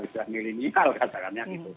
sudah milenial katanya gitu